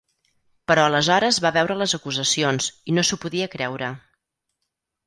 Però aleshores va veure les acusacions i no s’ho podia creure.